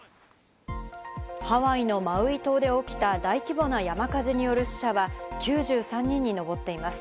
ハワイのマウイ島で起きた大規模な山火事による死者は９３人に上っています。